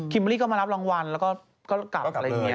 คิมเบอร์รี่ก็มารับรางวัลแล้วก็กลับ